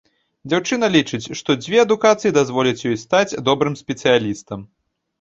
Дзяўчына лічыць, што дзве адукацыі дазволяць ёй стаць добрым спецыялістам.